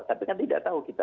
tapi kan tidak tahu kita